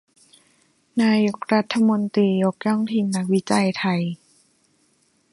นายกรัฐมนตรียกย่องทีมนักวิจัยไทย